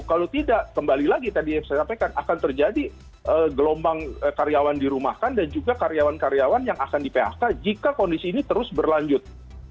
kalau tidak kembali lagi tadi yang saya sampaikan akan terjadi gelombang karyawan dirumahkan dan juga karyawan karyawan yang akan di phk jika kondisi ini terus berlanjut